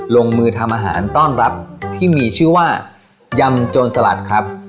ลงมือทำอาหารต้อนรับที่มีชื่อว่ายำโจรสลัดครับ